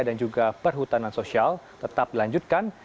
dan juga perhutanan sosial tetap dilanjutkan